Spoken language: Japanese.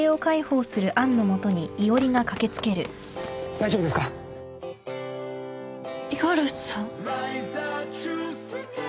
大丈夫ですか？五十嵐さん？